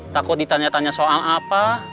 takut ditanya tanya soal apa